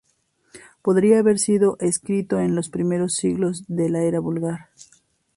Podría haber sido escrito en los primeros siglos de la era vulgar.